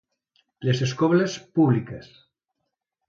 Les escoles públiques.